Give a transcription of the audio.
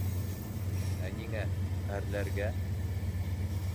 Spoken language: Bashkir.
Ә ниңә... әрләргә?